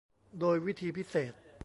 โดยวิธีพิเศษ